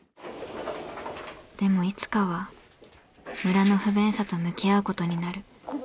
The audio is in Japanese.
でもいつかは村の不便さと向き合うことになる。